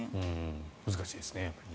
難しいですね。